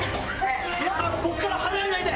皆さん僕から離れないで！